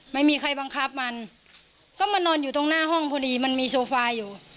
ไม่มีใครบังคับมันก็มานอนอยู่ตรงหน้าห้องพอดีมันมีโซฟาอยู่